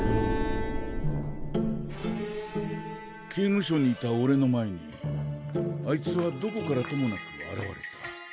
刑務所にいたおれの前にあいつはどこからともなく現れた。